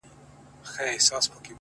په سپوږمۍ كي زما ژوندون دى.!